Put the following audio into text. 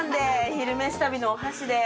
「昼めし旅」のお箸で。